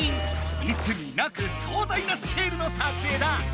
いつになくそう大なスケールの撮影だ！